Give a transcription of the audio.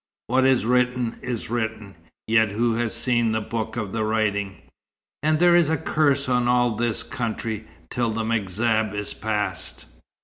"What is written is written. Yet who has seen the book of the writing? And there is a curse on all this country, till the M'Zab is passed."